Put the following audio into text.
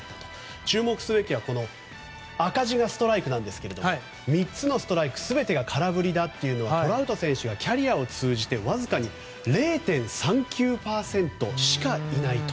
注目すべきは赤字がストライクなんですけど３つのストライク全てが空振りだというのはトラウト選手がキャリアを通じてわずかに０．３９％しかないと。